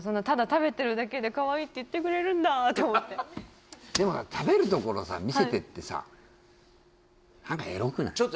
ただ食べてるだけで「かわいい」って言ってくれるんだと思ってでも食べるところさ見せてってさ何かエロくない？